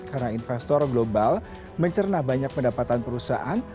karena investor global mencerna banyak pendapatan perusahaan